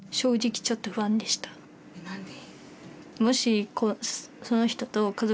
何で？